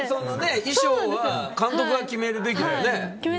自分の作品の衣装は監督が決めるべきだよね。